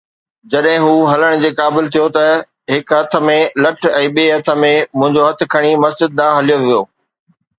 جڏهن هو هلڻ جي قابل ٿيو ته هڪ هٿ ۾ لٺ ۽ ٻئي هٿ ۾ منهنجو هٿ کڻي مسجد ڏانهن هليو ويو